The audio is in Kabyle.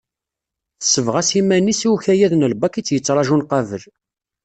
Tessebɣas iman-is i ukayad n lbak i tt-yettraǧun qabel.